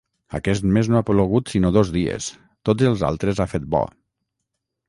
Aquest mes no ha plogut sinó dos dies: tots els altres ha fet bo.